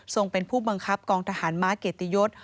เป็นผู้บังคับกองทหารม้าเกียรติยศ